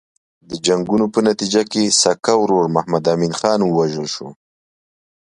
د جنګونو په نتیجه کې سکه ورور محمد امین خان ووژل شو.